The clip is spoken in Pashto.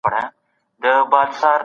هغه وويل چي اقتصاد ښه کېږي.